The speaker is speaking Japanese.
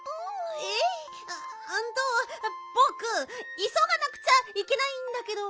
うんとぼくいそがなくちゃいけないんだけど。